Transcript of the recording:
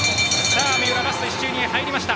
三浦、ラスト１周に入りました。